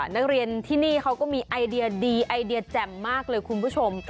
นักเรียนที่นี่เขาก็มีไอเดียดีไอเดียแจ่มมากเลยคุณผู้ชม